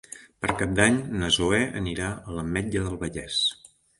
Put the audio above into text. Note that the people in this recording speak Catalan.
Per Cap d'Any na Zoè anirà a l'Ametlla del Vallès.